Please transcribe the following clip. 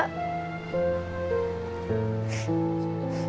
seperti satu keluarga